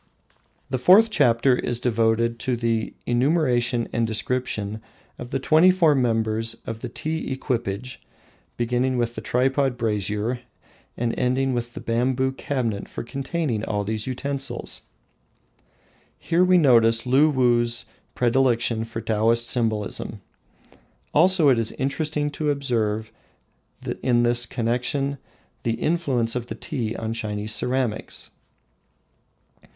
The fourth chapter is devoted to the enumeration and description of the twenty four members of the tea equipage, beginning with the tripod brazier and ending with the bamboo cabinet for containing all these utensils. Here we notice Luwuh's predilection for Taoist symbolism. Also it is interesting to observe in this connection the influence of tea on Chinese ceramics.